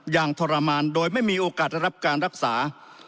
อย่างทรมานโดยไม่มีโอกาสได้รับการรักษา